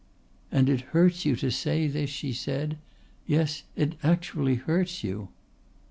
"And it hurts you to say this!" she said. "Yes, it actually hurts you."